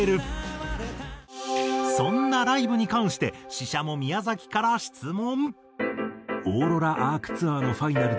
そんなライブに関してＳＨＩＳＨＡＭＯ宮崎から質問。